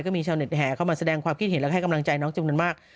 ก็มีชาวเน็ตแห่เข้ามาแสดงความคิดเห็นและให้กำลังใจน้องจำนวนมาก